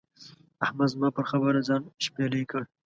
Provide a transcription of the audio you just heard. احمد زما پر خبره ځان شپېلی کړ.